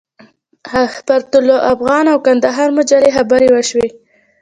پر طلوع افغان او کندهار مجلې خبرې وشوې.